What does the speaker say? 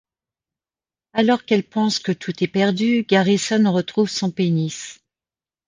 Alors qu'elle pense que tout est perdu, Garrison retrouve son pénis.